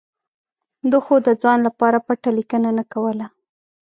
ده خو د ځان لپاره پټه لیکنه نه کوله.